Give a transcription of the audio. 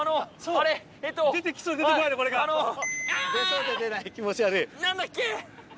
出そうで出ない気持ち悪い。